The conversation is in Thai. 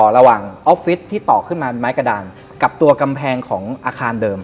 ออฟฟิศที่ต่อขึ้นมาเป็นไม้กระดานกับตัวกำแพงของอาคารเดิม